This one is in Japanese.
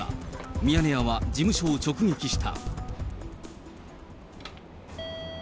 ミヤネ屋は事務所を直撃した。